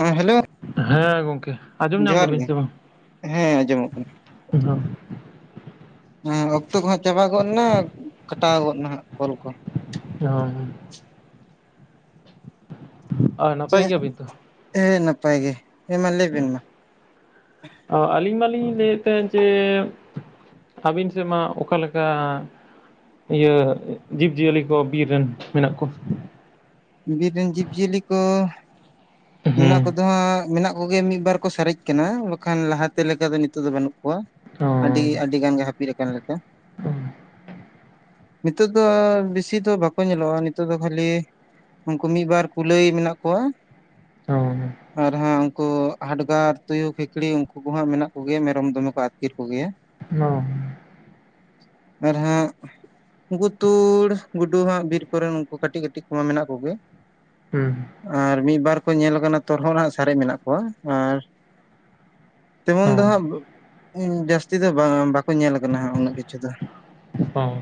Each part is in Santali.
ᱦᱚᱸ ᱦᱮᱞᱳ! ᱦᱮᱸ ᱜᱚᱝᱠᱮ। ᱟᱸᱡᱚᱢ ᱧᱟᱢ ᱡᱚᱦᱟᱨ ᱫᱟᱵᱤᱱ ᱜᱮ, ᱥᱮ ᱵᱟᱝ? ᱦᱮᱸ ᱟᱸᱡᱚᱢᱚᱜ ᱠᱟᱱᱟ। [inaudible] ᱦᱮᱸ ᱚᱠᱛᱚ ᱠᱚᱦᱚᱸ ᱪᱟᱵᱟ ᱜᱚᱫ ᱮᱱᱟ, ᱮᱸ ᱠᱟᱴᱟᱣ ᱜᱚᱫ ᱮᱱᱟ ᱱᱷᱟᱸᱜ ᱠᱚᱞ ᱠᱚ᱾ [inaudible] ᱟᱨ ᱱᱟᱯᱟᱭ ᱪᱮᱦᱮᱸᱜ ᱜᱮᱭᱟᱵᱤᱱ ᱛᱚ? ᱮᱸ ᱱᱟᱯᱟᱭ ᱜᱮ, ᱦᱮᱸ ᱢᱟ ᱞᱟᱹᱭ ᱵᱤᱱ ᱢᱟ। ᱚ ᱟᱹᱞᱤᱧ ᱢᱟᱹᱞᱤᱧ ᱞᱟᱹᱭᱮᱫ ᱛᱟᱦᱮᱸᱫ ᱡᱮ, ᱟᱹᱵᱤᱱ ᱥᱮᱜ ᱢᱟ ᱚᱠᱟ ᱞᱮᱠᱟᱻ? ᱤᱭᱟᱹ ᱤᱜ ᱡᱤᱵᱽ ᱡᱤᱭᱟᱹᱞᱤ ᱠᱚ ᱵᱤᱨ ᱨᱤᱱ ᱢᱮᱱᱟᱜ ᱠᱚ? ᱵᱤᱨ ᱨᱤᱱ ᱡᱤᱵᱽ ᱡᱤᱭᱟᱹᱞᱤ ᱠᱚ ᱢᱮᱱᱟᱜ ᱦᱩᱸ ᱠᱚᱫᱚ ᱦᱟᱸᱜ ᱢᱮᱱᱟᱜ ᱠᱚ ᱜᱮ ᱢᱤᱫ ᱵᱟᱨ ᱠᱚ ᱥᱟᱨᱮᱡ ᱟᱠᱟᱱᱟ, ᱵᱟᱠᱷᱟᱱ ᱞᱟᱦᱟᱛᱮ ᱞᱮᱠᱟ ᱫᱚ ᱱᱤᱛᱚᱜ ᱫᱚ ᱵᱟᱹᱱᱩᱜ ᱠᱚᱣᱟ ᱚ ᱟᱹᱰᱤ ᱟᱹᱰᱤ ᱜᱟᱱ ᱜᱮ, ᱦᱟᱹᱯᱤᱫ ᱟᱠᱟᱱ ᱞᱮᱠᱟ। ᱚ ᱱᱤᱛᱚᱡ ᱫᱚ ᱵᱤᱥᱤ ᱫᱚ ᱵᱟᱠᱚ ᱧᱮᱞᱚᱜ-ᱟ ᱱᱤᱛᱚᱜ ᱫᱚ ᱠᱷᱟᱹᱞᱤ, ᱩᱸᱠᱩ ᱢᱤᱫ ᱵᱟᱨ ᱠᱩᱞᱟᱹᱭ ᱢᱮᱱᱟᱜ ᱠᱚᱣᱟ। ᱚᱦᱚ, ᱟᱨ ᱦᱚᱸ ᱩᱸᱠᱩ ᱦᱟᱰᱜᱟᱨ, ᱛᱩᱭᱩ, ᱠᱷᱤᱠᱲᱤ ᱩᱸᱠᱩ ᱠᱚ ᱦᱟᱸᱜ ᱢᱮᱱᱟᱜ ᱠᱚᱜᱮᱭᱟ ᱢᱮᱨᱚᱢ ᱫᱚᱢᱮ ᱠᱚ ᱟᱹᱛᱠᱤᱨ ᱠᱚᱜᱮᱭᱟ। ᱦᱚᱸ, ᱟᱨ ᱦᱮᱸᱜ, ᱩᱸᱠᱩ ᱛᱩᱲ, ᱜᱩᱰᱩ ᱦᱟᱸᱜ ᱵᱤᱨ ᱠᱚᱨᱮᱱ ᱩᱱᱠᱩ ᱠᱟᱹᱴᱤᱡ ᱠᱟᱹᱴᱤᱡ ᱠᱚᱢᱟ ᱢᱮᱱᱟᱜ ᱠᱚᱜᱮ᱾ ᱦᱩᱸ ᱟᱨ ᱢᱤᱫ ᱵᱟᱨ ᱠᱚ ᱧᱮᱞ ᱟᱠᱟᱱᱟ ᱛᱚᱨᱦᱚᱫ ᱦᱟᱸᱜ ᱥᱟᱨᱮᱡ ᱢᱮᱱᱟᱜ ᱠᱚᱣᱟ ᱟᱨ ᱛᱮᱢᱚᱱ ᱚ ᱫᱚ ᱦᱟᱸᱜᱻᱵ ᱮᱸ ᱡᱟᱹᱥᱛᱤ ᱫᱚ ᱵᱟᱝᱼᱟ, ᱵᱟᱠᱚ ᱧᱮᱞ ᱟᱠᱟᱱᱟ ᱩᱱᱟᱹᱜ ᱠᱤᱪᱷᱩ ᱫᱚ᱾ ᱵᱟᱝ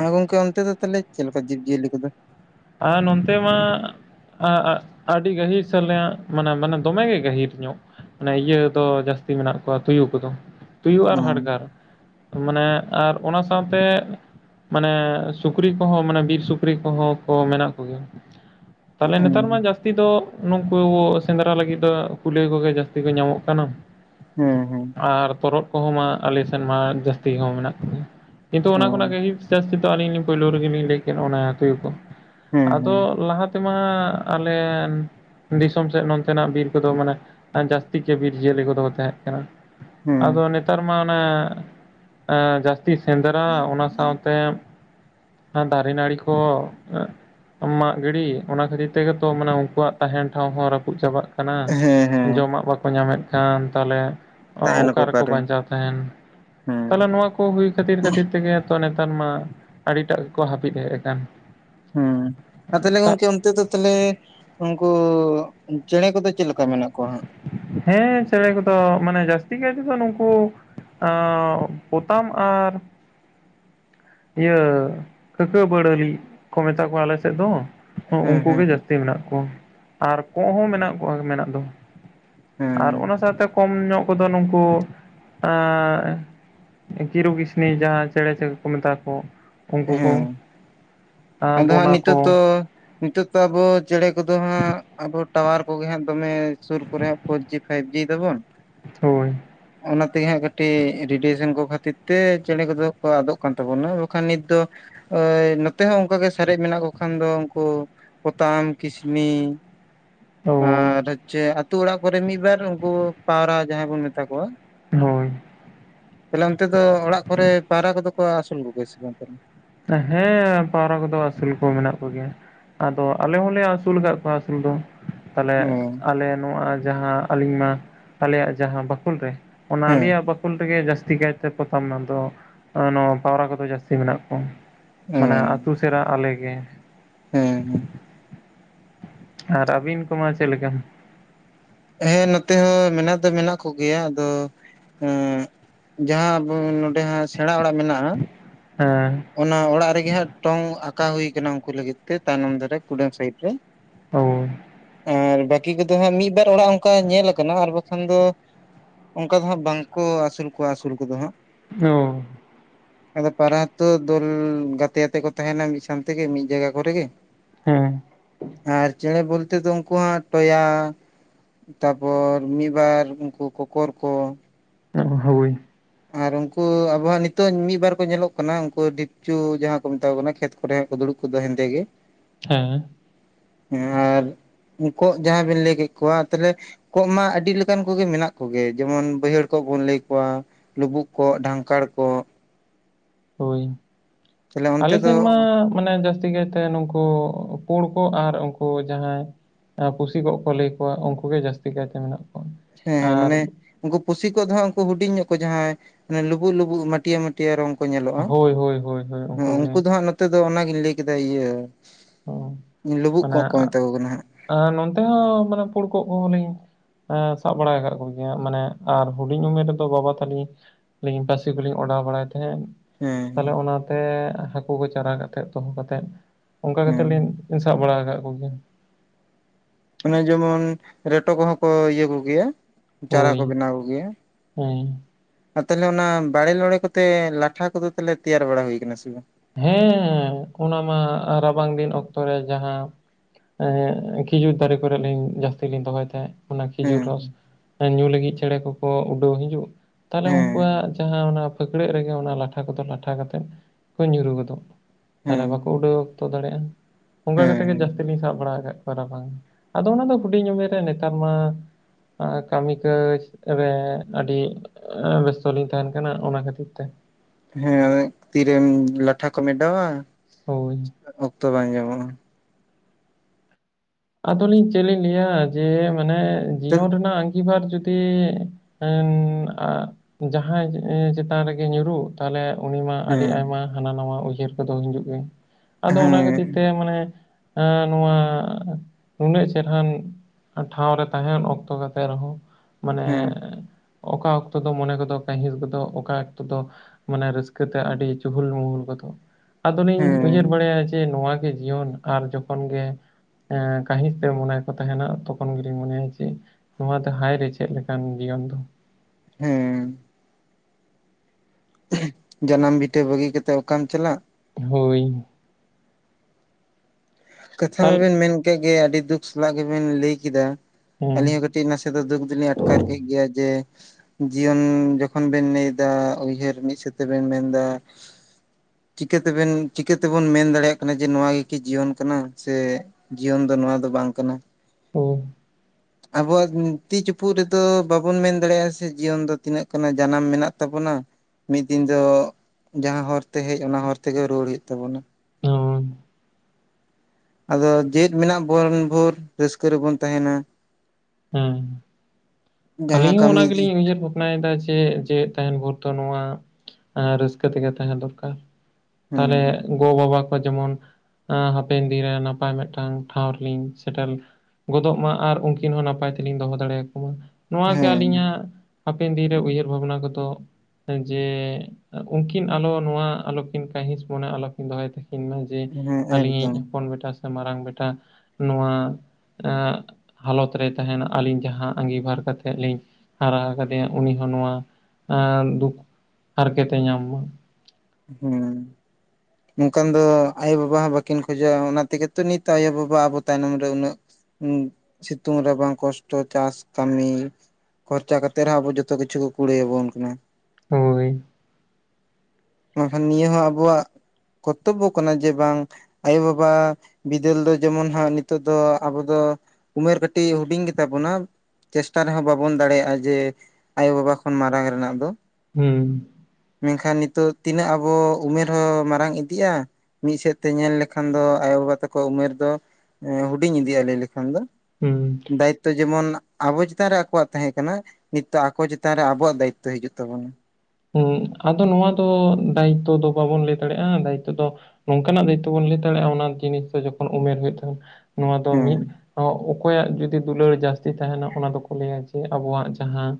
ᱟᱸ ᱜᱚᱝᱠᱮ ᱚᱱᱛᱮ ᱫᱚ ᱛᱟᱦᱮᱞᱮ ᱪᱮᱫ ᱞᱮᱠᱟ ᱡᱤᱵᱽ ᱡᱤᱭᱟᱹᱞᱤ ᱠᱚᱫᱚ? ᱟ ᱱᱚᱱᱛᱮ ᱢᱟ- ᱟᱸ ᱟᱸᱜ ᱟᱹᱰᱤ ᱜᱟᱹᱦᱤᱨ ᱥᱟᱞᱮᱸᱭᱟᱸᱜ ᱢᱟᱱᱮ ᱢᱟᱱᱮ ᱫᱚᱢᱮ ᱜᱮ ᱜᱟᱹᱦᱤᱨ ᱧᱚᱜ᱾ ᱢᱟᱱᱮ ᱤᱭᱟᱹ ᱫᱚ ᱡᱟᱹᱥᱛᱤ ᱢᱮᱱᱟᱜ ᱠᱚᱣᱟ ᱛᱩᱭᱩ ᱠᱚᱫᱚ, ᱛᱩᱭᱩ ᱟᱨ ᱚ ᱦᱟᱰᱜᱟᱨ, ᱢᱟᱱᱮ ᱟᱨ ᱚᱱᱟ ᱥᱟᱶᱛᱮᱜ ᱢᱟᱱᱮ ᱥᱩᱠᱨᱤ ᱠᱚᱦᱚᱸ ᱢᱟᱱᱮ ᱵᱤᱨ ᱥᱩᱠᱨᱤ ᱠᱚᱦᱚᱸ ᱠᱚ ᱢᱮᱱᱟᱜ ᱠᱚᱜᱮᱭᱟ, ᱛᱟᱦᱮᱞᱮ ᱦᱮᱸ ᱱᱮᱛᱟᱨ ᱢᱟ ᱡᱟᱹᱥ- ᱛᱤ ᱫᱚ ᱱᱩᱸᱠᱩ ᱥᱮᱸᱫᱽᱨᱟ ᱞᱟᱹᱜᱤᱫ ᱫᱚ ᱠᱩᱞᱟᱹᱭ ᱠᱚᱜᱮ ᱡᱟᱹᱥᱛᱤ ᱠᱚ ᱧᱟᱢᱚᱜ ᱠᱟᱱᱟ᱾ ᱦᱩᱸ ᱦᱩᱸ, ᱟᱨ ᱛᱚᱨᱦᱚᱫ ᱠᱚᱦᱚᱸ ᱢᱟ ᱟᱞᱮ ᱥᱮᱱ ᱢᱟ ᱡᱟᱹᱥᱛᱤ ᱦᱚᱸ ᱢᱮᱱᱟᱜ ᱠᱚᱜᱮᱭᱟ᱾ ᱠᱤᱸᱛᱩ ᱚ ᱚᱱᱟ ᱠᱷᱚᱱᱟᱜ ᱜᱮ ᱤᱭᱩᱵ ᱥᱟᱹᱥᱛᱤ ᱫᱚ ᱟᱹᱞᱤᱧ ᱞᱤᱧ ᱯᱩᱭᱞᱩ ᱨᱮᱜᱮ ᱞᱤᱧ ᱞᱟᱹᱭ ᱠᱮᱫ ᱚᱱᱟ ᱛᱩᱭᱩ ᱠᱚ᱾ ᱦᱮᱸ ᱟᱫᱚ ᱦᱮᱸ ᱞᱟᱦᱟ ᱛᱮᱢᱟ ᱟᱞᱮᱱ ᱫᱤᱥᱚᱢ ᱥᱮᱫ ᱱᱚᱱᱛᱮ ᱱᱟᱜ ᱵᱤᱨ ᱠᱚᱫᱚ ᱢᱟᱱᱮ ᱡᱟᱹᱥᱛᱤ ᱪᱮ ᱵᱤᱨ ᱡᱤᱭᱟᱹᱞᱤ ᱠᱚᱫᱚ ᱠᱚ ᱛᱟᱦᱮᱸᱫ ᱠᱟᱱᱟ᱾ ᱦᱮᱸ ᱟᱫᱚ ᱱᱮᱛᱟᱨ ᱢᱟ ᱚᱱᱮ ᱮᱸ ᱡᱟᱹᱥᱛᱤ ᱥᱮᱸᱫᱽᱨᱟ ᱚᱱᱟ ᱥᱟᱶᱛᱮᱢ ᱟᱨ ᱰᱟᱨᱮ ᱱᱟᱹᱲᱤ ᱠᱚ, ᱮᱸ ᱢᱟᱜ ᱜᱤᱰᱤ, ᱚᱱᱟ ᱠᱷᱟᱹᱛᱤᱨ ᱛᱮᱜᱮ ᱛᱚ ᱢᱟᱱᱮ ᱩᱱᱠᱩᱣᱟᱜ ᱛᱟᱦᱮᱸᱱ ᱴᱷᱟᱶ ᱦᱚᱸ ᱨᱟᱹᱯᱩᱫ ᱪᱟᱵᱟᱜ ᱠᱟᱱᱟ ᱦᱮᱸ ᱦᱮᱸ ᱡᱚᱢᱟᱜ ᱵᱟᱠᱚ ᱧᱟᱢᱮᱫ ᱠᱷᱟᱱ ᱛᱟᱦᱞᱮ᱾ ᱛᱟᱦᱮᱱᱟᱠᱚ ᱚᱠᱟ ᱨᱮᱠᱚ ᱚᱠᱟᱨᱮ ᱵᱟᱧᱪᱟᱣ ᱛᱟᱦᱮᱱ ᱦᱮᱸ ᱛᱟᱦᱚᱞᱮ ᱱᱚᱣᱟ ᱠᱚ ᱦᱩᱭ ᱠᱷᱟᱹᱛᱤᱨ ᱠᱷᱟᱹᱛᱤᱨ ᱛᱮᱜᱮᱼᱼ ᱛᱚ ᱱᱮᱛᱟᱨ ᱢᱟ ᱟᱹᱰᱤᱴᱟᱜ ᱜᱮᱠᱚ ᱦᱟᱹᱯᱤᱫ ᱦᱮᱡ ᱟᱠᱟᱱᱼᱼ ᱦᱩᱸ ᱟᱨ ᱛᱟᱦᱚᱞᱮ ᱜᱚᱝᱠᱮ ᱚᱱᱛᱮ ᱫᱚ ᱛᱟᱦᱚᱞᱮ ᱩᱱᱩᱠᱩ ᱪᱮᱬᱮ ᱠᱚᱫᱚ ᱪᱮᱫ ᱞᱮᱠᱟ ᱢᱮᱱᱟᱜ ᱠᱚᱣᱟ ᱦᱟᱸᱜ? ᱦᱮᱸ ᱪᱮᱬᱮ ᱠᱚᱫᱚ ᱢᱟᱱᱮ ᱡᱟᱹᱥᱛᱤ ᱠᱟᱭ ᱛᱮᱫᱚ ᱱᱩᱝᱠᱩᱼᱼ [inaudible] ᱯᱚᱛᱟᱢ ᱟᱨ ᱤᱭᱟᱹ ᱠᱷᱟᱹᱠᱟᱹ ᱵᱟᱹᱲᱟᱹᱞᱤ ᱠᱚ ᱢᱮᱛᱟ ᱠᱚᱣᱟ ᱟᱞᱮ ᱥᱮᱫ ᱫᱚ᱾ ᱦᱟᱸᱜ ᱩᱱᱠᱩ ᱦᱮᱸ ᱜᱮ ᱦᱮᱸ ᱡᱟᱹᱥᱛᱤ ᱢᱮᱱᱟᱜ ᱠᱚᱣᱟ ᱟᱨ ᱠᱚᱸᱜ ᱦᱚᱸ ᱢᱮᱱᱟᱜ ᱠᱚᱣᱟ ᱢᱮᱱᱟᱜ ᱫᱚ᱾ ᱦᱮᱸ ᱟᱨ ᱚᱱᱟ ᱥᱟᱶᱛᱮ ᱠᱚᱢ ᱧᱚᱜ ᱩᱱᱚᱫᱚ ᱱᱩᱝᱠᱩ ᱪᱤᱨᱩ ᱠᱤᱥᱱᱤ ᱡᱟᱦᱟᱸ ᱪᱮᱬᱮ [unintelligible] ᱢᱮᱛᱟ ᱠᱚ ᱩᱱᱠᱩ ᱠᱚ ᱦᱮᱸ ᱟᱸ ᱟᱫᱚ ᱦᱟᱸᱜ ᱵᱚᱱᱟ ᱱᱤᱛᱚᱜ ᱠᱚ ᱛᱚ᱾ ᱱᱤᱛᱚᱜ ᱫᱚ ᱟᱵᱚ ᱪᱮᱬᱮ ᱠᱚᱫᱚ ᱦᱟᱸᱜ ᱟᱵᱚ ᱴᱟᱣᱟᱨ ᱠᱚᱜᱮ ᱦᱟᱸᱜ ᱫᱚᱢᱮ ᱥᱩᱨ ᱠᱚᱨᱮᱼᱼ ᱯᱷᱳᱨ ᱡᱤ ᱯᱷᱟᱭᱵ ᱡᱤ ᱫᱟᱵᱚᱱ᱾ ᱦᱳᱭ ᱚᱱᱟ ᱛᱮᱜᱮ ᱦᱟᱸᱜ ᱠᱟᱹᱴᱤᱡ ᱨᱮᱰᱤᱭᱮᱥᱚᱱ ᱠᱚ ᱠᱷᱟᱹᱛᱤᱨ ᱛᱮ ᱪᱮᱬᱮ ᱠᱚᱫᱚ ᱠᱚ ᱟᱫᱚᱜ ᱠᱟᱱ ᱛᱟᱵᱚᱱᱟ ᱵᱟᱠᱷᱟᱱ ᱱᱤᱛ ᱫᱚ᱾ ᱚᱭ ᱱᱚᱛᱮ ᱦᱚᱸ ᱚᱱᱠᱟ ᱜᱮ ᱥᱟᱨᱮᱡ ᱢᱮᱱᱟᱜ ᱠᱚ ᱠᱷᱟᱱ ᱫᱚ ᱩᱱᱠᱩ ᱯᱚᱛᱟᱢ ᱠᱤᱥᱱᱤᱼᱼ ᱚ ᱟᱨ ᱪᱮ ᱟᱛᱳ ᱚᱲᱟᱜ ᱠᱚᱨᱮ ᱢᱤᱫᱵᱟᱨ ᱩᱱᱠᱩ ᱯᱟᱣᱨᱟ ᱡᱟᱦᱟᱸᱭ ᱵᱚᱱ ᱢᱮᱛᱟ ᱠᱚᱣᱟ᱾ ᱦᱳᱭ ᱛᱟᱦᱚᱞᱮ ᱚᱱᱛᱮ ᱫᱚ ᱚᱲᱟᱜ ᱠᱚᱨᱮ ᱯᱟᱭᱨᱟ ᱠᱚᱫᱚ ᱠᱚ ᱟᱹᱥᱩᱞ ᱠᱚᱜᱮᱭᱟ ᱥᱮ ᱵᱟᱝᱼᱼ ᱦᱮᱸ ᱯᱟᱣᱨᱟ ᱠᱚᱫᱚ ᱟᱹᱥᱩᱞ ᱠᱚ ᱢᱮᱱᱟᱜ ᱠᱚᱜᱮᱭᱟ᱾ ᱟᱫᱚ ᱟᱞᱮ ᱦᱚᱸᱞᱮ ᱟᱹᱥᱩᱞ ᱟᱠᱟᱫ ᱠᱚᱣᱟ ᱟᱹᱥᱩᱞ ᱫᱚ᱾ ᱛᱟᱦᱚᱞᱮ ᱚ ᱟᱞᱮ ᱱᱚᱣᱟ ᱡᱟᱦᱟᱸ ᱟᱹᱞᱤᱧ ᱢᱟ ᱟᱞᱮᱭᱟᱜ ᱡᱟᱦᱟᱸ ᱵᱟᱠᱷᱩᱞ ᱨᱮ ᱚᱱᱟ ᱦᱮᱸ ᱟᱞᱮᱭᱟᱜ ᱵᱟᱠᱷᱳᱞ ᱨᱮᱜᱮ ᱡᱟᱹᱥᱛᱤ ᱠᱟᱭᱛᱮ ᱯᱚᱛᱟᱢ ᱚᱱᱟ ᱫᱚ ᱱᱚᱣᱟ ᱯᱟᱣᱨᱟ ᱠᱚᱫᱚ ᱡᱟᱹᱥᱛᱤ ᱢᱮᱱᱟᱜ ᱠᱚᱣᱟ᱾ ᱚ ᱢᱟᱱᱮ ᱦᱮᱸ ᱟᱹᱛᱩ ᱥᱮᱨᱟᱜ ᱟᱞᱮᱜᱮᱼᱼ ᱦᱮᱸ ᱟᱨ ᱟᱹᱵᱤᱱ ᱠᱚᱢᱟ ᱪᱮᱫ ᱞᱮᱠᱟ᱾ ᱦᱮᱸ ᱱᱚᱛᱮ ᱦᱚᱸ ᱢᱮᱱᱟᱜ ᱫᱚ ᱢᱮᱱᱟᱜ ᱠᱚᱜᱮᱭᱟ ᱟᱫᱚ [inaudible] ᱡᱟᱦᱟᱸ ᱟᱵᱚ ᱱᱚᱰᱮ ᱦᱟᱜ ᱥᱮᱬᱟ ᱚᱲᱟᱜ ᱢᱮᱱᱟᱜᱼᱟ᱾ ᱦᱮᱸ ᱚᱱᱟ ᱚᱲᱟᱜ ᱨᱮᱜᱮ ᱦᱟᱸᱜ ᱴᱚᱝ ᱟᱠᱟᱣ ᱦᱩᱭ ᱟᱠᱟᱱᱟ ᱩᱱᱠᱩ ᱞᱟᱹᱜᱤᱫ ᱛᱮ ᱛᱟᱭᱱᱚᱢ ᱫᱟᱨᱮ ᱠᱩᱰᱟᱹᱢ ᱥᱟᱭᱤᱰ ᱨᱮᱼᱼ ᱦᱚᱭ ᱟᱨ ᱵᱟᱹᱠᱤ ᱠᱚᱫᱚ ᱦᱟᱸᱜ ᱢᱤᱫᱵᱟᱨ ᱚᱲᱟᱜ ᱚᱱᱠᱟ ᱧᱮᱞ ᱟᱠᱟᱱᱟ ᱟᱨ ᱵᱟᱠᱷᱟᱱ ᱫᱚᱼᱼ ᱚᱱᱠᱟ ᱫᱚ ᱦᱟᱸᱜ ᱵᱟᱝᱠᱚ ᱟᱹᱥᱩᱞ ᱠᱚᱣᱟ ᱟᱹᱥᱩᱞ ᱠᱚᱫᱚ ᱦᱟᱸᱜ᱾ ᱚᱻ ᱟᱫᱚ ᱯᱚᱨᱮ ᱛᱚ ᱫᱚᱞ ᱜᱟᱛᱮ ᱟᱛᱮᱜ ᱠᱚ ᱛᱟᱦᱮᱱᱟ ᱢᱤᱫ ᱥᱟᱶ ᱛᱮᱜᱮ ᱢᱤᱫ ᱡᱟᱭᱜᱟ ᱠᱚᱨᱮ ᱜᱮᱼᱼ ᱦᱮᱸ ᱟᱨ ᱪᱮᱬᱮ ᱵᱚᱞᱛᱮ ᱫᱚ ᱩᱱᱠᱩᱣᱟᱜᱟᱸ ᱴᱚᱭᱟ᱾ ᱛᱟᱯᱚᱨ ᱢᱤᱫ ᱵᱟᱨ ᱩᱱᱠᱩ ᱠᱚᱠᱚᱨ ᱠᱚᱼᱼ ᱚᱸ ᱦᱳᱭ ᱟᱨ ᱩᱱᱠᱩ ᱟᱵᱚᱣᱟᱜ ᱱᱤᱛᱚᱜ ᱢᱤᱫᱵᱟᱨ ᱠᱚ ᱧᱮᱞᱚᱜ ᱠᱟᱱᱟ ᱩᱱᱠᱩ ᱰᱷᱤᱯᱪᱩᱭ ᱡᱟᱦᱟᱸ ᱠᱚ ᱢᱮᱛᱟᱣ ᱠᱚ ᱠᱟᱱᱟ ᱠᱷᱮᱛᱼᱼ ᱠᱚᱨᱮ ᱫᱩᱲᱩᱵ ᱠᱚᱫᱚ ᱦᱮᱸᱫᱮ ᱜᱮᱼᱼ ᱦᱮᱸ᱾ ᱟᱨ ᱩᱱᱠᱩ ᱡᱟᱦᱟᱸ ᱵᱤᱱ ᱞᱟᱹᱭ ᱠᱮᱫ ᱠᱚᱣᱟ ᱛᱟᱦᱞᱮ ᱠᱚᱸᱜ ᱢᱟ ᱟᱹᱰᱤ ᱞᱮᱠᱟᱱ ᱠᱚᱜᱮ ᱢᱮᱱᱟᱜ ᱠᱚᱜᱮ ᱡᱮᱢᱚᱱ ᱵᱟᱹᱭᱦᱟᱹᱲ ᱠᱚᱸᱜ ᱵᱚᱱ ᱞᱟᱹᱭ ᱠᱚᱣᱟ, ᱞᱩᱵᱩᱜ ᱠᱚᱜ ᱰᱷᱟᱝᱠᱟᱲ ᱠᱚᱜ ᱦᱳᱭ, ᱛᱟᱦᱞᱮ ᱚᱱᱛᱮ ᱟᱞᱮ ᱫᱚ ᱥᱮᱱ ᱢᱟ ᱢᱟᱱᱮ ᱡᱟᱹᱥᱛᱤ ᱠᱟᱭᱛᱮ ᱱᱩᱝᱠᱩ ᱯᱩᱲ ᱠᱚ ᱟᱨ ᱩᱱᱠᱩ ᱡᱟᱦᱟᱸᱭ ᱮ ᱯᱩᱥᱤ ᱠᱚᱹᱜ ᱠᱚ ᱞᱟᱹᱭ ᱠᱚᱣᱟ ᱩᱝᱠᱩ ᱜᱮ ᱡᱟᱹᱥᱛᱤ ᱠᱟᱭᱛᱮ ᱢᱮᱱᱟᱜ ᱠᱚᱣᱟ᱾ ᱦᱮᱸ ᱦᱮᱸ ᱟᱨ ᱢᱟᱱᱮ ᱩᱱᱠᱩ ᱯᱩᱥᱤ ᱠᱚᱹᱜ ᱫᱚ ᱦᱟᱸᱜ ᱩᱝᱠᱩ ᱦᱩᱰᱤᱧ ᱧᱚᱜ ᱠᱚ ᱡᱟᱦᱟᱸᱭ ᱢᱟᱱᱮ ᱞᱩᱵᱩᱜ ᱞᱩᱵᱩᱜ ᱢᱟᱹᱴᱭᱟᱹ ᱢᱟᱹᱴᱭᱟᱹ ᱢᱟᱹᱴᱤᱭᱟᱹ ᱨᱚᱝ ᱠᱚ ᱧᱮᱞᱚᱜᱼᱟ ᱦᱳᱭ ᱦᱳᱭ ᱦᱳᱭ ᱦᱳᱭ ᱦᱮᱸ ᱩᱱᱠᱩ ᱜᱮ ᱩᱝᱠᱩ ᱫᱚ ᱦᱟᱸᱜ ᱱᱚᱛᱮᱫ ᱫᱚ ᱚᱱᱟᱜᱤᱧ ᱞᱟᱹᱭ ᱠᱮᱫᱟ ᱤᱭᱟᱹ ᱦᱩᱸ ᱞᱩᱵᱩᱜ ᱢᱟᱱᱮ ᱠᱚᱸᱜ ᱠᱚ ᱢᱮᱛᱟ ᱠᱚ ᱠᱟᱱᱟ ᱦᱟᱸᱜ᱾ ᱟᱨ ᱱᱚᱱᱛᱮ ᱦᱚᱸ ᱢᱟᱱᱮ ᱯᱩᱲᱠᱚᱹᱜ ᱠᱚᱞᱤᱧ ᱟᱸ ᱥᱟᱵ ᱵᱟᱲᱟ ᱠᱟᱫ ᱠᱚᱜᱮᱭᱟ, ᱢᱟᱱᱮ ᱟᱨ ᱦᱩᱰᱤᱧ ᱩᱢᱮᱨ ᱨᱮᱫᱚ ᱵᱟᱵᱟ ᱛᱟᱹᱞᱤᱧ ᱟᱹᱞᱤᱧ ᱯᱟᱥᱤ ᱠᱚᱞᱤᱧ ᱚᱰᱟᱣ ᱵᱟᱲᱟᱭ ᱛᱟᱦᱮᱸᱫ᱾ ᱦᱮᱸ ᱛᱟᱦᱞᱮ ᱚᱱᱟᱛᱮ ᱦᱟᱹᱠᱩ ᱠᱚ ᱪᱟᱨᱟ ᱠᱟᱛᱮᱜ ᱫᱚᱦᱚ ᱠᱟᱛᱮᱫ ᱚᱝᱠᱟ ᱠᱟᱛᱮ ᱦᱮᱸ ᱞᱤᱧ ᱥᱟᱵ ᱵᱟᱲᱟ ᱠᱟᱜ ᱠᱚᱜᱮᱭᱟ᱾ ᱚᱱᱮ ᱡᱮᱢᱚᱱ ᱨᱮᱴᱚ ᱠᱚᱦᱚᱸ ᱠᱚ ᱤᱭᱟᱹ ᱠᱚᱜᱮᱭᱟ᱾ ᱪᱟᱨᱟ ᱦᱳᱭ ᱠᱚ ᱵᱮᱱᱟᱣ ᱠᱚᱜᱮᱭᱟ᱾ ᱦᱮᱸ ᱟᱨ ᱛᱟᱦᱞᱮ ᱚᱱᱟ ᱵᱟᱲᱮ ᱞᱚᱲᱮ ᱠᱚᱛᱮ ᱞᱟᱴᱷᱟ ᱠᱚᱫᱚ ᱛᱟᱦᱞᱮ ᱛᱮᱭᱟᱨ ᱵᱟᱲᱟ ᱦᱩᱭ ᱠᱟᱱᱟ ᱥᱮ ᱵᱟᱝ? ᱦᱮᱸ ᱚᱱᱟᱢᱟ ᱨᱟᱵᱟᱝ ᱫᱤᱱ ᱚᱠᱛᱚ ᱨᱮ ᱡᱟᱦᱟᱸ ᱮᱸᱜ ᱠᱷᱤᱡᱩᱨ ᱫᱟᱨᱮ ᱠᱚᱨᱮ ᱞᱤᱧ ᱡᱟᱹᱥᱛᱤ ᱞᱤᱧ ᱫᱚᱦᱚᱭ ᱛᱟᱦᱮᱸᱫ᱾ ᱚᱱᱟ ᱠᱷᱤᱡᱩᱨ ᱦᱮᱸ ᱨᱚᱥ ᱮᱸ ᱧᱩ ᱞᱟᱹᱜᱤᱫ ᱪᱮᱬᱮ ᱠᱚᱠᱚ ᱩᱰᱟᱹᱣ ᱦᱤᱡᱩᱜ ᱛᱟᱦᱞᱮ ᱦᱮᱸ ᱩᱝᱠᱩᱣᱟᱜ ᱡᱟᱦᱟᱸ ᱚᱱᱟ ᱯᱷᱟᱹᱠᱲᱟᱹᱜ ᱨᱮᱜᱮ ᱚᱱᱟ ᱞᱟᱴᱷᱟ ᱠᱚᱫᱚ ᱞᱟᱴᱷᱟ ᱠᱟᱛᱮᱜ ᱠᱚ ᱧᱩᱨᱩ ᱜᱚᱫᱚᱜ ᱛᱟᱦᱞᱮ ᱦᱮᱸ ᱵᱟᱠᱚ ᱩᱰᱟᱹᱣ ᱚᱠᱛᱚ ᱫᱟᱲᱮᱭᱟᱜᱼᱟ, ᱚᱱᱠᱟ ᱠᱟᱛᱮᱜ ᱜᱮ ᱡᱟᱹᱥ ᱛᱮᱞᱤᱧ ᱥᱟᱵ ᱵᱟᱲᱟ ᱠᱟᱫ ᱠᱚᱣᱟ ᱨᱟᱵᱟᱝ ᱟᱫᱚ ᱚᱱᱟ ᱫᱚ ᱦᱩᱰᱤᱧ ᱩᱢᱮᱨ ᱨᱮ ᱱᱮᱛᱟᱨ ᱢᱟ ᱠᱟᱹᱢᱤ ᱠᱟᱹᱡ ᱨᱮ ᱟᱹᱰᱤ ᱟᱹ ᱵᱮᱥᱛᱚ ᱞᱤᱧ ᱛᱟᱦᱮᱸᱱ ᱠᱟᱱᱟ ᱚᱱᱟ ᱠᱷᱟᱹᱛᱤᱨ ᱛᱮ, ᱦᱮᱸ ᱛᱤᱨᱮᱢ ᱞᱟᱴᱷᱟ ᱠᱚᱢ ᱮᱰᱟᱣᱟ? ᱦᱳᱭ᱾ ᱚᱠᱛᱚ ᱵᱟᱝ ᱧᱟᱢᱚᱜᱼᱟ᱾ ᱟᱫᱚᱞᱤᱧ ᱪᱮᱫ ᱞᱤᱧ ᱞᱟᱹᱭᱟ ᱡᱮ ᱢᱟᱱᱮ ᱪᱮᱫ ᱡᱤᱭᱚᱱ ᱨᱮᱱᱟᱜ ᱟᱤᱵᱷᱟᱨ ᱡᱩᱫᱤ ᱡᱟᱦᱟᱸᱭ ᱪᱮᱛᱟᱱ ᱨᱮᱜᱮ ᱧᱩᱨᱩᱜ ᱛᱟᱦᱞᱮ ᱩᱱᱤ ᱢᱟ ᱟᱹᱰᱤ ᱦᱮᱸ ᱟᱭᱢᱟ ᱦᱟᱱᱟ ᱱᱟᱣᱟ ᱩᱭᱦᱟᱹᱨ ᱠᱚᱫᱚ ᱦᱤᱡᱩᱜ ᱜᱮ᱾ ᱟᱫᱚ ᱚᱱᱟ ᱦᱮᱸ ᱠᱷᱟᱹᱛᱤᱨ ᱛᱮ ᱢᱟᱱᱮ ᱱᱚᱣᱟ ᱱᱩᱱᱟᱹᱜ ᱪᱮᱨᱦᱟᱱ ᱴᱷᱟᱶ ᱨᱮ ᱛᱟᱦᱮᱸᱱ ᱚᱠᱛᱚ ᱠᱟᱛᱮ ᱨᱮᱦᱚᱸ ᱢᱟᱱᱮ ᱦᱮᱸ ᱚᱠᱟ ᱚᱠᱛᱚ ᱫᱚ ᱢᱚᱱᱮ ᱠᱚᱫᱚ ᱠᱟᱹᱦᱤᱞ ᱜᱚᱫᱚᱜ ᱚᱠᱟ ᱚᱠᱛᱚ ᱫᱚ ᱢᱟᱱᱮ ᱨᱟᱹᱥᱠᱟᱹᱛᱮ ᱟᱹᱰᱤ ᱪᱩᱦᱩᱞ ᱢᱩᱦᱩᱞ ᱜᱚᱫᱚᱜ᱾ ᱟᱫᱚᱞᱤᱧ ᱦᱮᱸ ᱩᱭᱦᱟᱹᱨ ᱵᱟᱲᱟᱭᱟ ᱡᱮ ᱱᱚᱣᱟᱜ ᱜᱮ ᱡᱤᱭᱚᱱ ᱟᱨ ᱡᱚᱠᱷᱚᱱ ᱜᱮ ᱮᱸ ᱠᱟᱹᱦᱤᱥ ᱛᱮ ᱢᱚᱱᱮ ᱠᱚ ᱛᱟᱦᱮᱸᱱᱟ, ᱛᱚᱠᱷᱚᱱ ᱜᱮᱞᱤᱧ ᱢᱚᱱᱮᱭᱟ ᱡᱮ ᱱᱚᱣᱟ ᱫᱚ ᱦᱟᱭ ᱨᱮ ᱪᱮᱫ ᱞᱮᱠᱟᱱ ᱡᱤᱭᱚᱱ ᱫᱚ᱾ ᱦᱮᱸ᱾ ᱡᱟᱱᱟᱢ ᱵᱷᱤᱴᱟᱹ ᱵᱟᱹᱜᱤ ᱠᱟᱛᱮᱜ ᱚᱠᱟᱢ ᱪᱟᱞᱟᱜ? ᱦᱳᱭ᱾ ᱠᱟᱛᱷᱟ ᱛᱟᱞ ᱢᱟᱵᱮᱱ ᱢᱮᱱᱠᱮᱜ ᱜᱮᱭᱟ, ᱟᱹᱰᱤ ᱫᱩᱠ ᱥᱟᱞᱟᱜ ᱜᱮᱵᱮᱱ ᱞᱟᱹᱭ ᱠᱮᱫᱟ ᱦᱮᱸ ᱟᱹᱞᱤᱧ ᱦᱚᱸ ᱠᱟᱹᱴᱤᱡ ᱱᱟᱥᱮ ᱫᱚ ᱫᱩᱠ ᱫᱩᱞᱤᱧ ᱟᱴᱠᱟᱨ ᱠᱮᱫ ᱜᱮᱭᱟ, ᱡᱮ ᱡᱤᱭᱚᱱ ᱡᱚᱠᱷᱚᱱ ᱵᱮᱱ ᱞᱟᱹᱭᱫᱟ, ᱩᱭᱦᱟᱹᱨ ᱢᱤᱫ ᱥᱟᱛᱮ ᱵᱮᱱ ᱢᱮᱱ ᱫᱟ ᱪᱤᱠᱟᱹᱛᱮᱵᱮᱱ ᱪᱤᱠᱟᱹ ᱛᱮᱵᱚᱱ ᱢᱮᱱ ᱫᱟᱲᱮᱭᱟᱜ ᱠᱟᱱᱟ ᱡᱮ ᱱᱚᱣᱟ ᱜᱮᱠᱤ ᱡᱤᱭᱚᱱ ᱛᱟᱱᱟ ᱡᱮ ᱡᱤᱭᱚᱱ ᱫᱚ ᱱᱚᱣᱟ ᱫᱚ ᱵᱟᱝ ᱠᱟᱱᱟ᱾ ᱩᱸ ᱟᱵᱚᱣᱟᱜ ᱛᱤ ᱪᱩᱯᱩᱫ ᱨᱮᱫᱚ ᱵᱟᱵᱚᱱ ᱢᱮᱱ ᱫᱟᱲᱮᱭᱟᱜ-ᱟ ᱥᱮ ᱡᱤᱭᱚᱱ ᱫᱚ ᱛᱤᱱᱟᱹᱜ ᱠᱟᱱᱟ ᱡᱟᱱᱟᱢ ᱢᱮᱱᱟᱜ ᱛᱟᱵᱚᱱᱟ᱾ ᱢᱤᱫ ᱫᱤᱱ ᱫᱚ ᱡᱟᱦᱟᱸ ᱦᱚᱨ ᱛᱮ ᱦᱮᱡ ᱚᱱᱟ ᱦᱚᱨ ᱛᱮᱜᱮ ᱨᱩᱭᱟᱹᱲ ᱦᱩᱭᱩᱜ ᱛᱟᱵᱚᱱᱟ᱾ ᱦᱳᱭ ᱟᱫᱚ ᱡᱮᱣᱮᱫ ᱢᱮᱱᱟᱜ ᱵᱚᱱ ᱵᱷᱳᱨ ᱨᱟᱹᱥᱠᱟᱹ ᱨᱮᱵᱚᱱ ᱛᱟᱦᱮᱱᱟ᱾ ᱦᱮᱸ ᱡᱟᱦᱟᱸ ᱟᱹᱞᱤᱧ ᱦᱚᱸ ᱠᱟᱹᱢᱤ ᱚᱱᱟ ᱜᱮᱞᱤᱧ ᱩᱭᱦᱟᱹᱨ ᱵᱷᱟᱵ ᱱᱟᱭ ᱫᱟ ᱡᱮ ᱡᱮᱣᱮᱫ ᱛᱟᱦᱮᱱ ᱵᱷᱳᱨ ᱫᱚ ᱱᱚᱣᱟ ᱨᱟᱹᱥᱠᱟᱹ ᱛᱮᱜᱮ ᱛᱟᱦᱮᱸ ᱫᱚᱨᱠᱟᱨ᱾ ᱛᱟᱦᱞᱮ ᱦᱮᱸ ᱜᱚ ᱵᱟᱵᱟ ᱠᱚ ᱡᱮᱢᱚᱱ ᱦᱟᱯᱮᱱ ᱫᱤᱱᱨᱮ ᱱᱟᱯᱟᱭ ᱢᱮᱜᱴᱟᱝ ᱴᱷᱟᱶ ᱨᱤᱞᱤᱧ ᱥᱮᱴᱮᱞ ᱜᱚᱫᱚᱜ ᱢᱟ ᱟᱨ ᱩᱝᱠᱤᱱ ᱦᱚᱸ ᱱᱟᱯᱟᱭ ᱛᱮᱞᱤᱧ ᱫᱚᱦᱚ ᱫᱟᱲᱮᱭ ᱠᱚ ᱢᱟ ᱱᱚᱣᱟᱜᱮ ᱦᱮᱸ ᱟᱹᱞᱤᱧᱟᱜ ᱦᱟᱯᱮᱱ ᱫᱤᱱᱨᱮ ᱩᱭᱦᱟᱹᱨ ᱵᱷᱟᱵᱽᱱᱟ ᱠᱚᱫᱚ᱾ ᱡᱮ ᱩᱝᱠᱤᱱ ᱟᱞᱚ ᱱᱚᱣᱟ ᱟᱞᱚ ᱠᱤᱱ ᱠᱟᱹᱦᱤᱥ ᱢᱚᱱᱮ ᱟᱞᱚ ᱠᱤᱱ ᱫᱚᱦᱚᱭ ᱛᱟᱹᱠᱤᱱ ᱠᱤᱱ ᱢᱮ ᱡᱮ ᱦᱮᱸ ᱟᱹᱞᱤᱧᱤᱡ ᱮᱠᱫᱚᱢ ᱦᱚᱯᱚᱱ ᱵᱮᱴᱟ ᱥᱮ ᱢᱟᱨᱟᱝ ᱵᱮᱴᱟ ᱱᱚᱣᱟ ᱮᱸᱻ ᱦᱟᱞᱚᱛ ᱨᱮ ᱛᱟᱦᱮᱱᱟ ᱟᱹᱞᱤᱧ ᱡᱟᱦᱟᱸ ᱟᱸᱜᱤᱵᱷᱟᱨ ᱠᱟᱛᱮ ᱛᱮᱜ ᱞᱤᱧ ᱦᱟᱨᱟ ᱦᱟᱠᱟᱫᱮᱭᱟ ᱩᱱᱤ ᱦᱚᱸ ᱱᱚᱣᱟ ᱫᱩᱠ ᱦᱟᱨᱠᱮᱛᱮ ᱧᱟᱢ ᱢᱟ᱾ ᱦᱩᱸ ᱱᱚᱝᱠᱟᱱ ᱫᱚ ᱟᱭᱳ ᱵᱟᱵᱟ ᱦᱚᱸ ᱵᱟᱹᱠᱤᱱ ᱠᱷᱚᱡᱚᱜ-ᱟ ᱚᱱᱟ ᱛᱮᱜᱮ ᱛᱚ ᱱᱤᱛ ᱟᱭᱚ ᱵᱟᱵᱟ ᱟᱵᱚ ᱛᱟᱭᱱᱚᱢ ᱨᱮ ᱩᱱᱟᱹᱜ ᱥᱤᱛᱩᱝ ᱨᱟᱵᱟᱝ ᱠᱚᱥᱴᱚ ᱪᱟᱥ ᱠᱟᱹᱢᱤ ᱠᱷᱚᱨᱪᱟ ᱠᱟᱛᱮᱜ ᱨᱮᱦᱚᱸ ᱟᱵᱚ ᱡᱚᱛᱚ ᱠᱤᱪᱷᱩ ᱠᱚ ᱠᱩᱲᱟᱹᱭ ᱭᱟᱵᱚᱱ ᱠᱟᱱᱟ᱾ ᱦᱳᱭ ᱢᱮᱱᱠᱷᱟᱱ ᱱᱤᱭᱟᱹ ᱦᱚᱸ ᱟᱵᱚᱣᱟᱜ ᱠᱳᱛᱚᱵᱵᱚ ᱠᱟᱱᱟ ᱡᱮ ᱵᱟᱝ ᱟᱭᱚ-ᱵᱟᱵᱟ ᱵᱤᱫᱟᱹᱞ ᱫᱚ ᱡᱮᱢᱚᱱ ᱦᱟᱸᱜ ᱱᱤᱛᱚᱜ ᱫᱚ ᱟᱵᱚ ᱫᱚ ᱩᱢᱮᱨ ᱠᱟᱹᱴᱤᱡ ᱦᱩᱰᱤᱧ ᱜᱮ ᱛᱟᱵᱚᱱᱟ, ᱪᱮᱥᱴᱟ ᱨᱮᱦᱚᱸ ᱵᱟᱵᱚᱱ ᱫᱟᱲᱮᱭᱟᱜ-ᱟ ᱡᱮ ᱟᱭᱚ ᱵᱟᱵᱟ ᱠᱷᱚᱱ ᱢᱟᱨᱟᱝ ᱨᱮᱱᱟᱜ ᱫᱚ᱾ ᱦᱩᱸ ᱢᱮᱝᱠᱷᱟᱱ ᱱᱤᱛᱚᱜ ᱛᱤᱱᱟᱹᱜ ᱟᱵᱚ ᱩᱢᱮᱨ ᱦᱚᱸ ᱢᱟᱨᱟᱝ ᱤᱫᱤᱜ-ᱟ ᱢᱤᱜ ᱥᱮᱫ ᱛᱮ ᱧᱮᱞ ᱞᱮᱠᱷᱟᱱ ᱫᱚ ᱟᱭᱚ ᱵᱟᱵᱟ ᱛᱟᱠᱚᱣᱟ ᱩᱢᱮᱨ ᱫᱚ ᱦᱩᱰᱤᱧ ᱤᱫᱤᱜ-ᱟ ᱞᱟᱹᱭ ᱞᱮᱠᱷᱟᱱ ᱫᱚ, ᱦᱩᱸ, ᱫᱟᱭᱤᱛᱛᱚ ᱡᱮᱢᱚᱱ ᱟᱵᱚ ᱪᱮᱛᱟᱱ ᱨᱮ ᱟᱠᱚᱣᱟᱜ ᱛᱟᱦᱮᱸ ᱠᱟᱱᱟ ᱱᱤᱛᱚᱜ ᱟᱠᱚ ᱪᱮᱛᱟᱱ ᱨᱮ ᱟᱵᱚᱣᱟᱜ ᱫᱟᱭᱤᱛᱛᱚ ᱦᱤᱡᱩᱜ ᱛᱟᱵᱚᱱᱟ᱾ ᱦᱩᱸ ᱟᱫᱚ ᱱᱚᱣᱟ ᱫᱚ ᱫᱟᱭᱤᱛᱛᱚ ᱫᱚ ᱵᱟᱵᱚᱱ ᱞᱟᱹᱭ ᱫᱟᱲᱮᱜ-ᱟ, ᱫᱟᱭᱤᱛᱛᱚ ᱫᱚ ᱱᱚᱝᱠᱟᱱᱟᱜ ᱫᱟᱭᱤᱛᱛᱚ ᱵᱚᱱ ᱞᱟᱹᱭ ᱫᱟᱲᱮᱜ-ᱟ ᱚᱱᱟ ᱡᱤᱱᱤᱥ ᱫᱚ ᱡᱚᱠᱷᱚᱱ ᱩᱢᱮᱨ ᱦᱩᱭᱩᱜ ᱛᱟᱦᱮᱱ ᱱᱚᱣᱟ ᱫᱚ ᱢᱤᱫ ᱦᱮᱸ ᱚ ᱚᱠᱚᱭᱟᱜ ᱡᱩᱫᱤ ᱫᱩᱞᱟᱹᱲ ᱡᱟᱹᱥᱛᱤ ᱛᱟᱦᱮᱱᱟ ᱚᱱᱟ ᱫᱚᱠᱚ ᱞᱟᱹᱭᱟ ᱡᱮ ᱟᱵᱚᱣᱟᱜ ᱡᱟᱦᱟᱸ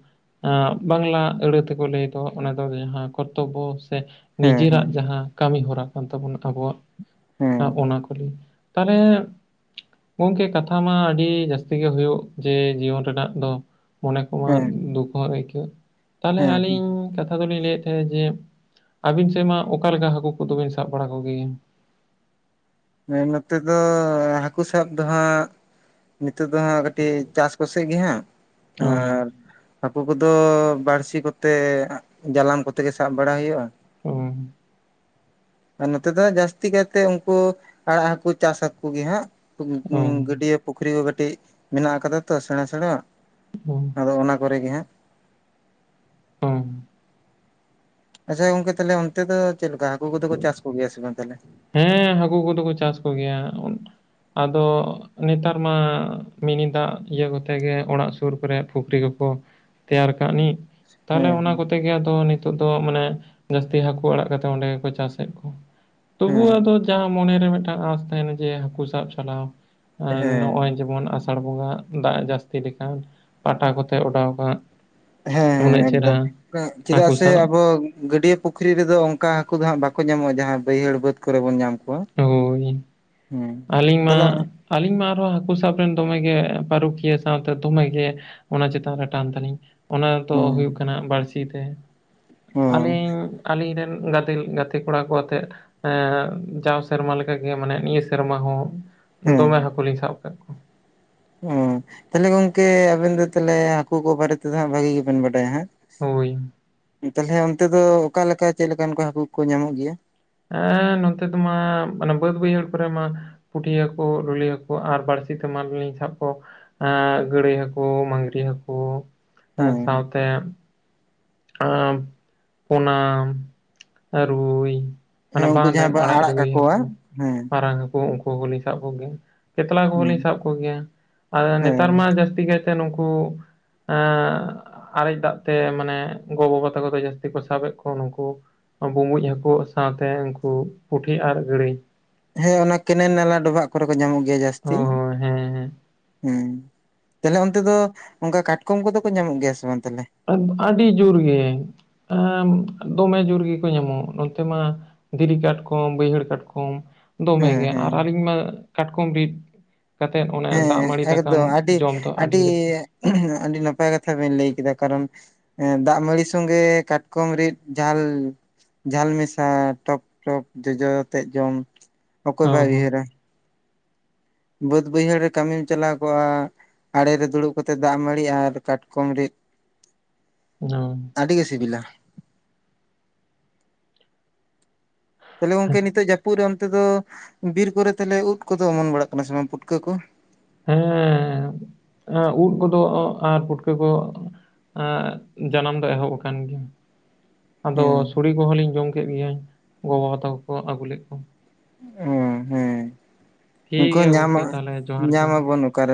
ᱵᱟᱝᱞᱟ ᱟᱹᱲᱟᱹ ᱛᱮᱠᱚ ᱞᱟᱹᱭ ᱫᱚ ᱚᱱᱟ ᱫᱚ ᱡᱟᱦᱟᱸ ᱠᱚᱨᱛᱚᱵᱽᱵᱚ ᱥᱮ ᱦᱮᱸ ᱱᱤᱡᱮᱨᱟᱜ ᱦᱮᱸ ᱡᱟᱦᱟᱸ ᱠᱟᱹᱢᱤ ᱦᱚᱨᱟ ᱠᱟᱱ ᱛᱟᱵᱚᱱᱟ ᱟᱵᱚᱣᱟᱜ ᱚᱱᱟ ᱠᱚ ᱞᱮᱭᱟ ᱛᱟᱦᱞᱮ ᱜᱚᱝᱠᱮ ᱠᱟᱛᱷᱟ ᱢᱟ ᱟᱹᱰᱤ ᱡᱟᱹᱥᱛᱤ ᱜᱮ ᱦᱳᱭᱳᱜ ᱡᱮ ᱡᱤᱭᱚᱱ ᱨᱮᱱᱟᱜ ᱫᱚ, ᱢᱚᱱᱮ ᱠᱚᱢᱟ ᱦᱮᱸ ᱫᱩᱠ ᱦᱚᱸ ᱟᱹᱭᱠᱟᱹᱜ ᱛᱟᱦᱞᱮ ᱦᱮᱸ ᱟᱹᱞᱤᱧ ᱠᱟᱛᱷᱟ ᱫᱚᱞᱤᱧ ᱞᱟᱹᱭᱮᱫ ᱛᱟᱦᱮᱸᱱᱟ ᱡᱮ ᱟᱹᱵᱤᱱ ᱥᱮᱜ ᱢᱟ ᱚᱠᱟ ᱞᱮᱠᱟ ᱦᱟᱹᱠᱩ ᱠᱚᱫᱚᱵᱤᱱ ᱥᱟᱵ ᱵᱟᱲᱟ ᱠᱚᱜᱮᱭᱟ? ᱦᱮᱸ ᱱᱚᱛᱮ ᱫᱚ ᱦᱟᱹᱠᱩ ᱥᱟᱵ ᱫᱚ ᱦᱟᱸᱜ ᱱᱤᱛᱳᱜ ᱫᱚ ᱦᱟᱸᱜ ᱠᱟᱹᱴᱤᱡ ᱪᱟᱥ ᱠᱚᱥᱮᱠ ᱜᱮ ᱦᱟᱸᱜ ᱚ, ᱟᱨ ᱠᱩ ᱠᱚᱫᱚ ᱵᱟᱲᱥᱤ ᱠᱚᱛᱮ ᱡᱟᱞᱟᱢ ᱠᱚᱛᱮ ᱜᱮ ᱥᱟᱵ ᱵᱟᱲᱟ ᱦᱩᱭᱩᱜ-ᱟ᱾ ᱚ ᱟᱨ ᱱᱚᱛᱮ ᱫᱚ ᱦᱟᱸᱜ ᱡᱟᱹᱥᱛᱤ ᱠᱟᱭᱛᱮ ᱩᱝᱠᱩ ᱟᱲᱟᱜ ᱦᱟᱹᱠᱩ ᱪᱟᱥ ᱦᱟᱠᱩ ᱜᱮ ᱦᱟᱸᱜ᱾ ᱚ, ᱜᱟᱹᱰᱭᱟᱹ ᱯᱩᱠᱷᱨᱤ ᱠᱚ ᱠᱟᱹᱴᱤᱡ ᱢᱮᱱᱟᱜ ᱟᱠᱟᱫᱟ ᱛᱚ ᱥᱮᱬᱟ ᱥᱮᱬᱟ ᱟᱜ᱾ ᱦᱩᱸ ᱟᱫᱚ ᱚᱱᱟ ᱠᱚᱨᱮ ᱜᱮ ᱦᱟᱸᱜ᱾ ᱦᱚᱸ ᱟᱪᱪᱷᱟ ᱜᱚᱝᱠᱮ ᱛᱟᱞᱦᱮ ᱚᱱᱛᱮ ᱫᱚ, ᱪᱮᱫ ᱞᱮᱠᱟ, ᱦᱟᱹᱠᱩ ᱠᱚᱫᱚ ᱠᱚ ᱪᱟᱥ ᱠᱚᱜᱮᱭᱟ ᱥᱮ ᱵᱟᱝ ᱛᱟᱞᱦᱮ? ᱦᱮᱸ ᱦᱟᱹᱠᱩ ᱠᱚᱫᱚ ᱠᱚ ᱪᱟᱥ ᱠᱚᱜᱮᱭᱟ, ᱟᱫᱚ ᱱᱮᱛᱟᱨ ᱢᱟ ᱢᱤᱱᱤ ᱫᱟᱜ, ᱤᱭᱟᱹ ᱠᱚᱛᱮ ᱜᱮ, ᱚᱲᱟᱜ ᱥᱩᱨ ᱠᱚᱨᱮᱜ ᱯᱩᱠᱷᱨᱤ ᱠᱚᱠᱚ ᱛᱮᱭᱟᱨ ᱠᱟᱜ ᱱᱤᱡ᱾ ᱛᱟᱦᱞᱮ ᱚᱱᱟ ᱦᱮᱸ ᱠᱚᱛᱮ ᱜᱮ ᱟᱫᱚ ᱱᱤᱛᱳᱜ ᱫᱚ ᱢᱟᱱᱮ, ᱡᱟᱹᱥᱛᱤ ᱦᱟᱹᱠᱩ ᱟᱲᱟᱜ ᱠᱟᱛᱮᱜ ᱚᱸᱰᱮ ᱜᱮᱠᱚ ᱪᱟᱥᱮᱜ ᱠᱚᱣᱟ᱾ ᱛᱚᱵᱩᱣ ᱦᱮᱸ ᱟᱫᱚ ᱡᱟᱦᱟᱸ ᱢᱚᱱᱮᱨᱮ ᱢᱮᱛᱴᱟᱝ ᱟᱸᱥ ᱛᱟᱦᱮᱱᱟ ᱡᱮ ᱦᱟᱹᱠᱩ ᱥᱟᱵ ᱪᱟᱞᱟᱣ ᱦᱮᱸ ᱦᱮᱸ ᱱᱚᱜ-ᱚᱭ ᱡᱮᱢᱚᱱ ᱟᱥᱟᱲ ᱵᱚᱸᱜᱟ, ᱫᱟᱜ ᱮ ᱡᱟᱹᱥᱛᱤ ᱞᱮᱠᱷᱟᱱ, ᱯᱟᱴᱟ ᱠᱚᱛᱮ ᱚᱰᱟᱣ ᱠᱟᱜ ᱦᱮᱸ ᱩᱱᱟᱹᱜ ᱦᱮᱸ ᱪᱮᱨᱦᱟ ᱮᱠᱫᱚᱢ, ᱪᱮᱫᱟᱜ ᱦᱟᱹᱠᱩ ᱥᱮ ᱥᱟᱵ ᱟᱵᱚ ᱜᱟᱹᱰᱭᱟᱹ ᱯᱩᱠᱷᱨᱤ ᱨᱮᱫᱚ ᱚᱝᱠᱟ ᱦᱟᱹᱠᱩ ᱫᱚ ᱦᱟᱸᱜ ᱵᱟᱠᱚ ᱧᱟᱢᱚᱜ-ᱟ ᱡᱟᱦᱟᱸ ᱵᱟᱹᱭᱦᱟᱹᱲ ᱵᱟᱹᱫᱽ ᱠᱚᱨᱮ ᱵᱚᱱ ᱧᱟᱢ ᱠᱚᱣᱟ ᱦᱳᱭ, ᱦᱮᱸ ᱟᱹᱞᱤᱧ ᱢᱟ ᱛᱟᱦᱚᱞᱮ ᱟᱹᱞᱤᱧ ᱢᱟ ᱟᱨᱦᱚᱸ ᱦᱟᱹᱠᱩ ᱥᱟᱵ ᱨᱮᱱ ᱫᱚᱢᱮᱜᱮ ᱯᱟᱹᱨᱩᱠᱷᱤᱭᱟᱹ ᱥᱟᱶᱛᱮ ᱫᱚᱢᱮᱜᱮ ᱚᱱᱟ ᱪᱮᱛᱟᱱ ᱨᱮ ᱴᱟᱱ ᱛᱟᱞᱤᱧ ᱚᱱᱟ ᱫᱚ ᱦᱮᱸ ᱦᱩᱭᱩᱜ ᱠᱟᱱᱟ ᱵᱟᱹᱲᱥᱤ ᱛᱮ, ᱦᱮᱸ ᱟᱹᱞᱤᱧ ᱟᱞᱤᱧ ᱨᱮᱱ ᱜᱟᱸᱫᱮᱠ ᱜᱟᱛᱮ ᱠᱚᱲᱟ ᱠᱚ ᱟᱛᱮᱜ ᱮᱸ ᱡᱟᱣ ᱥᱮᱨᱢᱟ ᱞᱮᱠᱟᱜᱮ ᱢᱟᱱᱮ ᱱᱤᱭᱟᱹ ᱥᱮᱨᱢᱟ ᱦᱚᱸ, ᱫᱚᱢᱮ ᱦᱟᱹᱠᱩ ᱞᱤᱧ ᱥᱟᱵ ᱠᱟᱫ ᱚ ᱛᱟᱦᱞᱮ ᱜᱚᱝᱠᱮ ᱟᱵᱮᱱ ᱫᱚ ᱛᱟᱞᱮ ᱦᱟᱹᱠᱩ ᱠᱚ ᱵᱟᱨᱮ ᱛᱮᱫᱚ ᱦᱟᱸᱜ ᱵᱷᱟᱹᱜᱤ ᱜᱮᱵᱮᱱ ᱵᱟᱰᱟᱭᱟ ᱦᱟᱸᱜ᱾ ᱦᱳᱭ᱾ ᱛᱟᱞᱦᱮ ᱚᱱᱛᱮ ᱫᱚ ᱚᱠᱟᱞᱮᱠᱟ ᱪᱮᱫ ᱞᱮᱠᱟᱱ ᱠᱚ ᱦᱟᱹᱠᱩ ᱠᱚ ᱧᱟᱢᱚᱜ ᱜᱮᱭᱟ? ᱦᱮᱸ ᱱᱚᱛᱮ ᱫᱚᱢᱟ ᱚᱱᱟ ᱵᱟᱹᱫᱽ ᱵᱟᱹᱭᱦᱟᱹᱲ ᱠᱚᱨᱮ ᱢᱟ ᱯᱩᱴᱷᱤ ᱦᱟᱹᱠᱩ ᱞᱩᱞᱤ ᱦᱟᱹᱠᱩ ᱟᱨ ᱵᱟᱹᱲᱥᱤ ᱛᱮ ᱢᱟᱞ ᱞᱤᱧ ᱥᱟᱵ ᱠᱚ ᱮ ᱜᱟᱹᱲᱟᱹᱭ ᱦᱟᱹᱠᱩ, ᱢᱟᱸᱜᱽᱨᱤ ᱦᱟᱹᱠᱩ, ᱦᱮᱸ ᱥᱟᱶᱛᱮ ᱟᱸ ᱯᱚᱱᱟᱢ, ᱨᱩᱭ ᱦᱮᱸ ᱢᱟᱱᱮ ᱩᱱᱠᱩ ᱵᱟᱸᱱ ᱡᱟᱦᱟᱸ ᱨᱮᱱ ᱵᱚᱱ ᱟᱲᱟᱜ ᱨᱩᱭ ᱠᱟᱠᱚᱣᱟ ᱦᱟᱹᱠᱩ ᱦᱮᱸ ᱢᱟᱨᱟᱝ ᱦᱟᱹ ᱠᱩ ᱦᱚ ᱩᱝᱠᱩ ᱦᱚᱸᱞᱤᱧ ᱥᱟᱵ ᱠᱚᱜᱮᱭᱟ, ᱠᱮᱛᱞᱟ ᱠᱚᱦᱚᱸ ᱦᱮᱸ ᱞᱤᱧ ᱥᱟᱵ ᱠᱚᱜᱮᱭᱟ, ᱟᱨ ᱱᱮᱛᱟᱨ ᱦᱮᱸ ᱢᱟ ᱡᱟᱹᱥᱛᱤ ᱠᱟᱭᱛᱮ ᱛᱮ ᱱᱩᱝᱠᱩ ᱟᱨᱮᱡ ᱫᱟᱜ ᱛᱮ ᱢᱟᱱᱮ ᱜᱚ ᱵᱟᱵᱟ ᱛᱟᱠᱚ ᱫᱚ ᱡᱟᱹᱥᱛᱤ ᱠᱚ ᱥᱟᱵ ᱮᱫ ᱠᱚ ᱱᱩᱝᱠᱩ ᱵᱩᱸᱵᱩᱡ ᱦᱟᱹᱠᱩ ᱥᱟᱶᱛᱮ ᱩᱱᱠᱩ, ᱯᱩᱴᱷᱤ ᱟᱨ ᱜᱲᱟᱹᱭ᱾ ᱦᱮᱸ ᱚᱱᱟ ᱠᱮᱱᱮᱞ ᱱᱟᱞᱟ ᱰᱚᱵᱷᱟᱜ ᱠᱚᱨᱮ ᱠᱚ ᱧᱟᱢᱚᱜ ᱜᱮᱭᱟ ᱚ ᱡᱟᱹᱥᱛᱤ᱾ ᱦᱳᱭ ᱦᱮᱸ ᱦᱮᱸ ᱦᱮᱸ ᱛᱮᱞᱦᱮ ᱚᱱᱛᱮ ᱫᱚ ᱚᱝᱠᱟ ᱠᱟᱴᱠᱚᱢ ᱠᱚᱫᱚ ᱠᱚ ᱧᱟᱢᱚᱜ ᱜᱮᱭᱟ ᱥᱮ ᱵᱟᱝ ᱛᱟᱦᱞᱮ? ᱟᱹᱰᱤ ᱡᱳᱨ ᱜᱮ ᱫᱚᱢᱮ ᱡᱳᱨ ᱜᱮᱠᱚ ᱧᱟᱢᱚᱜ ᱱᱚᱱᱛᱮ ᱢᱟ ᱫᱷᱤᱨᱤ ᱠᱟᱴᱠᱚᱢ, ᱵᱟᱹᱭᱦᱟᱹᱲ ᱠᱟᱴᱠᱚᱢ, ᱦᱮᱸ ᱫᱚᱢᱮᱜᱮ ᱟᱨ ᱦᱮᱸ ᱟᱹᱞᱤᱧ ᱢᱟ, ᱠᱟᱴᱠᱚᱢ ᱨᱤᱫ ᱠᱟᱛᱮᱫ ᱚᱱᱮ ᱦᱮᱸ ᱫᱟᱜ ᱢᱟᱹᱲᱤ ᱫᱟᱠᱟᱢ ᱮᱠᱫᱚᱢ ᱟᱹᱰᱤ ᱡᱚᱢ ᱫᱚ ᱟᱹᱰᱤ ᱨᱟᱹᱥᱠᱟᱹ, ᱟᱹᱰᱤ ᱱᱟᱯᱟᱭ ᱠᱟᱛᱷᱟ ᱵᱤᱱ ᱞᱟᱹᱭ ᱠᱮᱫᱟ ᱠᱟᱨᱚᱱ ᱮᱸ ᱫᱟᱜ ᱢᱟᱹᱲᱤ ᱥᱚᱸᱜᱮ ᱠᱟᱴᱠᱚᱢ ᱨᱤᱫ ᱡᱷᱟᱞ ᱡᱷᱟᱞ ᱢᱮᱥᱟ ᱴᱚᱠ ᱴᱚᱠ ᱡᱚᱡᱚ ᱛᱮᱫ ᱡᱚᱢ ᱚᱠᱚᱭ ᱚ ᱵᱟᱭ ᱦᱳᱭ ᱩᱭᱦᱟᱹᱨᱟ᱾ ᱵᱟᱹᱫ ᱵᱟᱹᱭᱦᱟᱹᱲ ᱨᱮ ᱠᱟᱹᱢᱤᱢ ᱪᱟᱞᱟᱣ ᱠᱚᱜ-ᱟ ᱟᱲᱮ ᱨᱮ ᱫᱩᱲᱩᱵ ᱠᱟᱛᱮᱫ ᱫᱟᱜ ᱢᱟᱹᱲᱤ ᱟᱨ ᱠᱟᱴᱠᱚᱢ ᱨᱤᱫ [unintelligible] ᱟᱹᱰᱤ ᱜᱮ ᱥᱤᱵᱤᱞᱟ᱾ ᱛᱟᱦᱞᱮ ᱜᱚᱝᱠᱮ ᱱᱤᱛᱳᱜ ᱡᱟᱹᱯᱩᱫ ᱨᱮ ᱚᱱᱛᱮ ᱫᱚ, ᱵᱤᱨ ᱠᱚᱨᱮ ᱛᱟᱦᱞᱮ ᱩᱫ ᱠᱚᱫᱚ ᱚᱢᱚᱱ ᱵᱟᱲᱟᱜ ᱠᱟᱱᱟ ᱥᱮ ᱵᱟᱝ ᱯᱩᱴᱠᱟᱹ ᱠᱚ? ᱦᱮᱸ ᱩᱫ ᱠᱚᱫᱚ ᱟᱨ ᱯᱩᱴᱠᱟᱹ ᱠᱚ ᱮᱸᱜ ᱡᱟᱱᱟᱢ ᱫᱚ ᱮᱦᱚᱵ ᱟᱠᱟᱱ ᱜᱮᱭᱟ᱾ ᱟᱫᱚ ᱦᱮᱸ ᱥᱩᱲᱤ ᱠᱚᱦᱚᱸ ᱞᱤᱧ ᱡᱚᱢ ᱠᱮᱫ ᱜᱮᱤᱭᱟᱹ ᱜᱚ ᱵᱟᱵᱟ ᱛᱟᱠᱚ ᱠᱚ ᱟᱹᱜᱩ ᱞᱮᱫ ᱠᱚ᱾ ᱚ ᱦᱮᱸ, ᱴᱷᱤᱠ ᱩᱝᱠᱩ ᱜᱮᱭᱟ ᱧᱟᱢᱟ ᱜᱚᱝᱠᱮ ᱛᱟᱦᱚᱞᱮ ᱡᱚᱦᱟᱨ ᱜᱮ ᱧᱟᱢ ᱢᱟ ᱟᱵᱚᱱ ᱚᱠᱟᱨᱮ?